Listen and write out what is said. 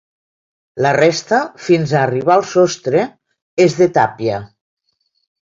La resta, fins a arribar al sostre, és de tàpia.